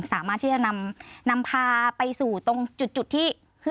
สามารถที่จะนำพาไปสู่ตรงจุดที่